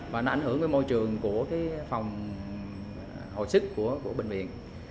và nó ảnh hưởng môi trường của phòng hồi sức của bệnh viện